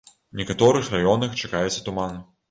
У некаторых раёнах чакаецца туман.